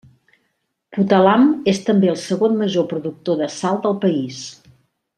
Puttalam és també el segon major productor de sal del país.